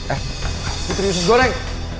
eh putri susgoreng